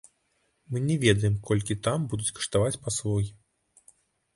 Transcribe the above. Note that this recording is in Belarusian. Мы не ведаем, колькі там будуць каштаваць паслугі.